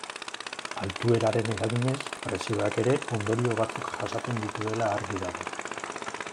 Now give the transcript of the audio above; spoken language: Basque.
Altueraren eraginez, presioak ere ondorio batzuk jasaten dituela argi dago.